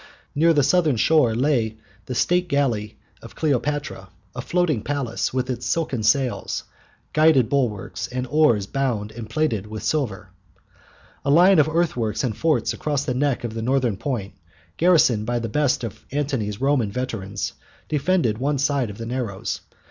Near the southern shore lay the state galley of Cleopatra, a floating palace, with its silken sails, gilded bulwarks, and oars bound and plated with silver. A line of earthworks and forts across the neck of the northern point, garrisoned by the best of Antony's Roman veterans, defended one side of the narrows.